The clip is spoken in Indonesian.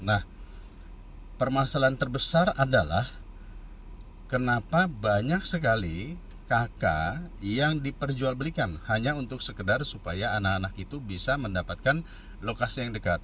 nah permasalahan terbesar adalah kenapa banyak sekali kakak yang diperjualbelikan hanya untuk sekedar supaya anak anak itu bisa mendapatkan lokasi yang dekat